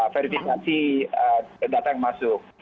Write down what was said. verifikasi data yang masuk